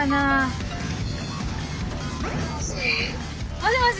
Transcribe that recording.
もしもし。